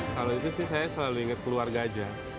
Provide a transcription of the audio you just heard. kalau itu sih saya selalu ingat keluarga aja